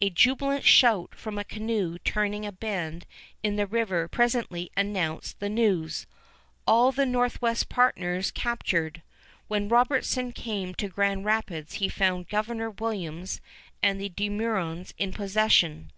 A jubilant shout from a canoe turning a bend in the river presently announced the news: "All the Northwest partners captured!" When Robertson came to Grand Rapids he found Governor Williams and the De Meurons in possession.